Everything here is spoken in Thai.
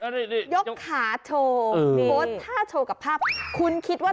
นี่ยกขาโชว์โพสต์ท่าโชว์กับภาพคุณคิดว่า